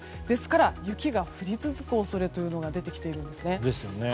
ですから、雪が降り続く恐れが出てきているんです。